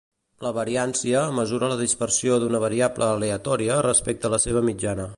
La variància mesura la dispersió d'una variable aleatòria respecte la seva mitjana